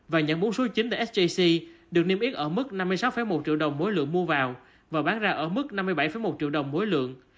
và nhận bốn số chính tại sjc được niêm yết ở mức năm mươi sáu một triệu đồng mỗi lượng mua vào và bán ra ở mức năm mươi bảy một triệu đồng mỗi lượng